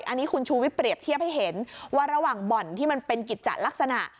อันนี้คุณชูวิทยเปรียบเทียบให้เห็นว่าระหว่างบ่อนที่มันเป็นกิจจัดลักษณะ